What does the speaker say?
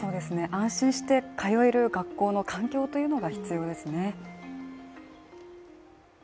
安心して通える学校の環境というのが必要ですね。